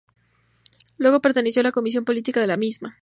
Luego perteneció a la Comisión Política de la misma.